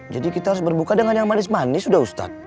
jadi kita harus berbuka dengan yang manis manis sudah ustaz